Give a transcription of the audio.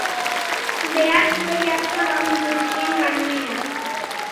Behartsuei asko laguntzen zien, gainera.